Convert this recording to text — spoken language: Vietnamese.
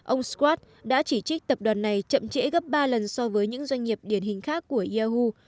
ông squad đã chỉ trích tập đoàn này chậm trễ gấp ba lần so với những doanh nghiệp điển hình khác của yahu